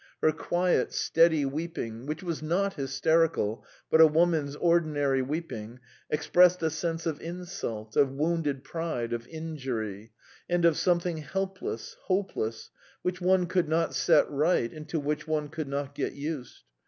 ... Her quiet, steady weeping, which was not hysterical but a woman's ordinary weeping, expressed a sense of insult, of wounded pride, of injury, and of something helpless, hopeless, which one could not set right and to which one could not get used.